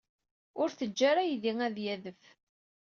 Ur ttaǧǧa ara aydi ad d-yadef.